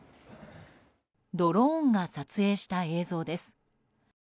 ドローンが撮影した映像です。